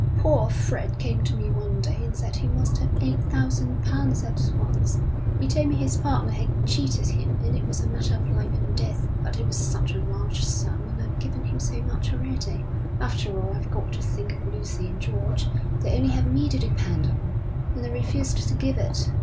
'Poor Fred came to me one day and said he must have eight thousand pounds at once. He told me his partner had cheated him, and it was a matter of life and death. But it was such a large sum, and I've given him so much already. After all, I've got to think of Lucy and George. They only have me to depend on, and I refused to give it.